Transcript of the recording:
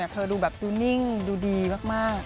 เธอดูแบบดูนิ่งดูดีมาก